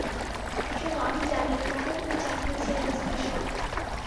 শোনো, আমি জানি কেন তুমি চাকরি ছেড়ে ছিলে, শন।